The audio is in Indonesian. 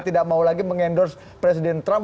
tidak mau lagi mengendorse presiden trump